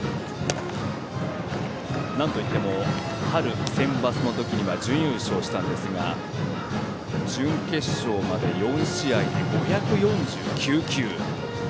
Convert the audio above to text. なんといっても春センバツの時に準優勝したんですが準決勝まで４試合で５４９球。